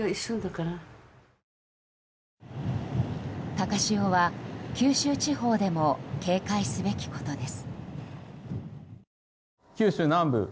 高潮は九州地方でも警戒すべきことです。